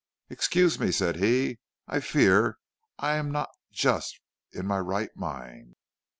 'Excuse me,' said he; 'I fear I am not just in my right mind.'